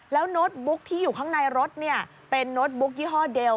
แล้วโน้ตบุ๊กที่อยู่ข้างในรถเป็นโน้ตบุ๊กยี่ห้อเดล